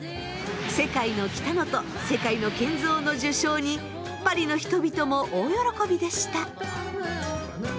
世界のキタノと世界のケンゾーの受章にパリの人々も大喜びでした。